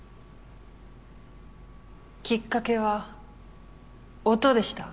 きっかけは音でした。